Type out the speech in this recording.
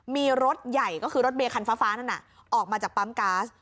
มีรถใหญ่ก็คืารถเบรคัณฟ้านั่นออกมาจากป๊ำกาซ